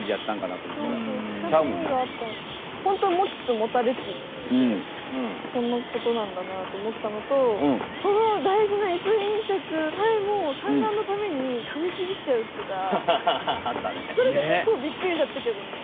ホントもちつもたれつってこのことなんだなと思ったのとそのだいじなイソギンチャクさえも産卵のためにかみちぎっちゃうとかそれもけっこうびっくりだったけどね。